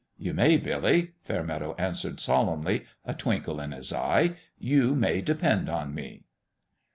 "You may, Billy," Fairmeadow answered, solemnly, a twinkle in his eye ;" you may de pend on me."